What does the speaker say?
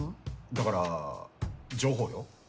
だから情報料？